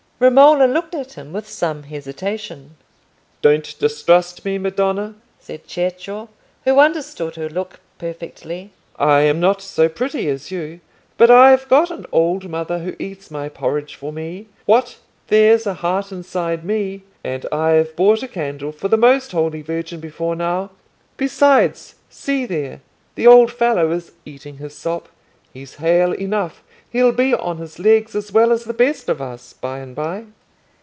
Romola looked at him with some hesitation. "Don't distrust me, madonna," said Cecco, who understood her look perfectly; "I am not so pretty as you, but I've got an old mother who eats my porridge for me. What! there's a heart inside me, and I've bought a candle for the most Holy Virgin before now. Besides, see there, the old fellow is eating his sop. He's hale enough: he'll be on his legs as well as the best of us by and by."